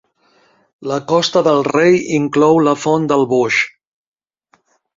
La Costa del Rei inclou la Font del Boix.